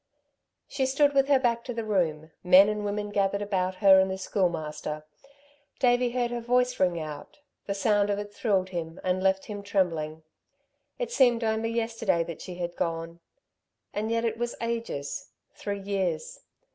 She stood with her back to the room, men and women gathered about her and the Schoolmaster. Davey heard her voice ring out. The sound of it thrilled him and left him trembling. It seemed only yesterday that she had gone ... and yet it was ages three years.